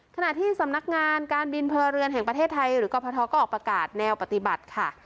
ขณะที่สำนักงานการบินพลเรือนแห่งประเทศไทยหรือกรพทก็ออกประกาศแนวปฏิบัติค่ะ